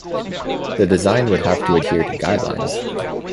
The design would have to adhere to guidelines.